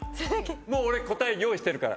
俺答え用意してるから。